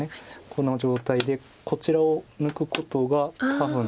この状態でこちらを抜くことが多分できたんです。